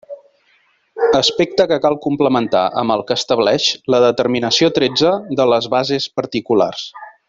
Aspecte que cal complementar amb el que establix la determinació tretze de les bases particulars.